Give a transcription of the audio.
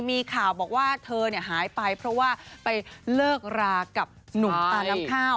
มีข่าวบอกว่าเธอหายไปเพราะว่าไปเลิกรากับหนุ่มตาน้ำข้าว